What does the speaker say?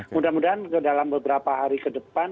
mudah mudahan dalam beberapa hari ke depan